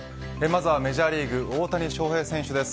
まずはメジャーリーグ大谷翔平選手です。